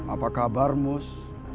apa kabar mus